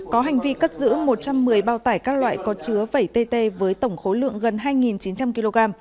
có hành vi cất giữ một trăm một mươi bao tải các loại có chứa bảy tt với tổng khối lượng gần hai chín trăm linh kg